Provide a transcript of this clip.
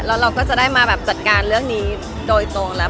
แล้วเราก็จะได้มาแบบจัดการเรื่องนี้โดยตรงแล้ว